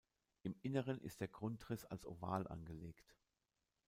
Im Inneren ist der Grundriss als Oval angelegt.